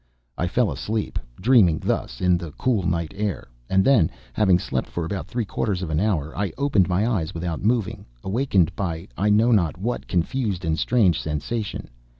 I fell asleep, dreaming thus in the cool night air, and then, having slept for about three quarters of an hour, I opened my eyes without moving, awakened by I know not what confused and strange sensation.